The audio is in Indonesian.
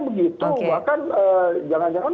begitu bahkan jangan jangan